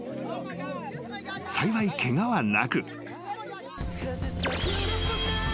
［幸いケガはなく］